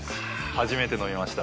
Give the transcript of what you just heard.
初めて飲みました。